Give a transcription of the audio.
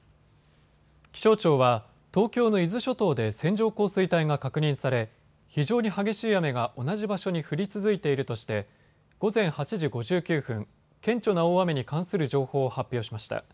気象庁は東京の伊豆諸島で線状降水帯が確認され非常に激しい雨が同じ場所に降り続いているとして午前８時５９分、顕著な大雨に関する情報を発表しました。